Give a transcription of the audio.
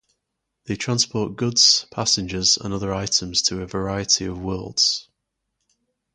They transport goods, passengers and other items to a variety of worlds.